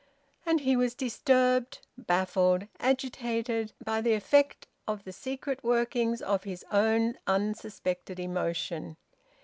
And he was disturbed, baffled, agitated by the effect of the secret workings of his own unsuspected emotion.